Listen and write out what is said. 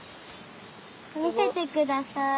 みせてください。